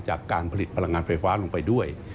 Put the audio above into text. จากการผลิตพลังงานไฟฟ้าลงไปด้วย